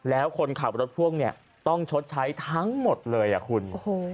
แล้วคนขับรถพวกนี้ต้องชดใช้ทั้งหมดเลยคุณ